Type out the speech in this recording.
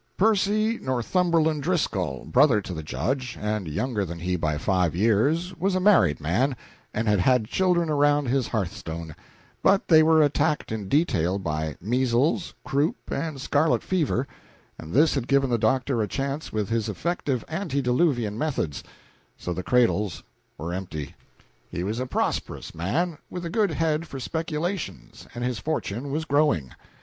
Percy Northumberland Driscoll, brother to the Judge, and younger than he by five years, was a married man, and had had children around his hearthstone; but they were attacked in detail by measles, croup and scarlet fever, and this had given the doctor a chance with his effective antediluvian methods; so the cradles were empty. He was a prosperous man, with a good head for speculations, and his fortune was growing.